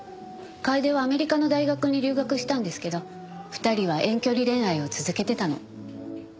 楓はアメリカの大学に留学したんですけど２人は遠距離恋愛を続けてたの。